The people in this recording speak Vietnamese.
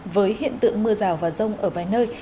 với hiện tượng mưa rào và rông ở vài nơi